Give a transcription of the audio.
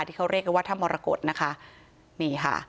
ที่เขาเรียกกันว่าถ้ามรกฏนะคะนี่ค่ะ